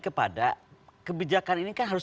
kepada kebijakan ini kan harus